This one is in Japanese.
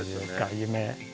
夢。